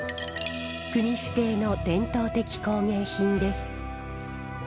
国指定の伝統的工芸品です。